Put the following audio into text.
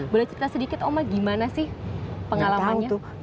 boleh cerita sedikit oma gimana sih pengalamannya